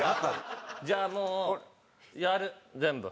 じゃあもうやる全部。